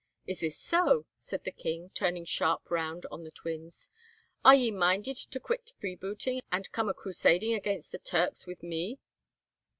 "Is this so?" said the king, turning sharp round on the twins. "Are ye minded to quit freebooting, and come a crusading against the Turks with me?"